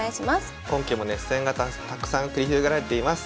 今期も熱戦がたくさん繰り広げられています。